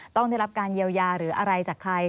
ต้องได้รับการเยียวยาหรืออะไรจากใคร